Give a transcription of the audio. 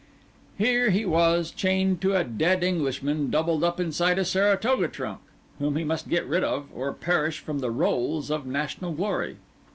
Here he was, chained to a dead Englishman doubled up inside a Saratoga trunk; whom he must get rid of, or perish from the rolls of national glory!